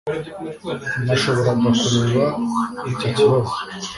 Nashoboraga kureba icyo kibazo